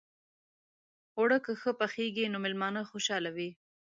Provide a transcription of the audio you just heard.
اوړه که ښه پخېږي، نو میلمانه خوشحاله وي